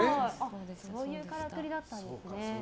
そういうからくりだったんですね。